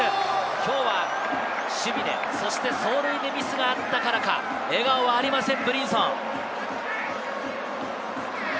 今日は守備で、そして走塁でミスがあったからか、笑顔はありません、ブリンソン。